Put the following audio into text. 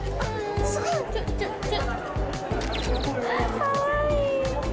かわいい。